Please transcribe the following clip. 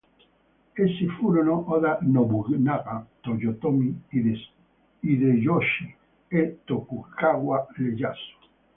Essi furono Oda Nobunaga, Toyotomi Hideyoshi e Tokugawa Ieyasu.